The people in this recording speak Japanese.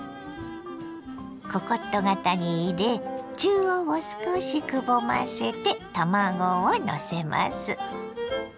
ココット型に入れ中央を少しくぼませて卵をのせます。